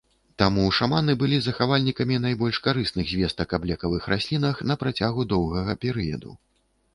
Таму шаманы былі захавальнікамі найбольш карысных звестак аб лекавых раслінах на працягу доўгага перыяду.